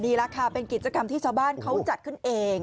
นี่แหละค่ะเป็นกิจกรรมที่ชาวบ้านเขาจัดขึ้นเอง